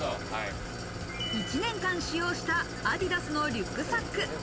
１年間使用したアディダスのリュックサック。